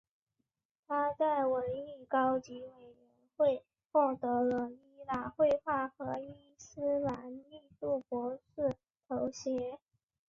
他在文艺高级委员会获得了伊朗绘画和伊斯兰艺术博士头衔。